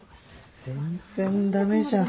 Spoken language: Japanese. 全然駄目じゃん。